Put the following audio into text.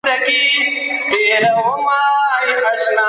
کمپيوټر راکټ الوځوي.